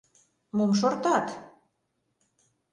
Мом шортат?